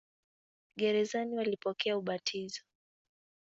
Gerezani walipokea ubatizo.